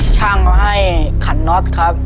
ช่างมาให้ขันน็อตครับ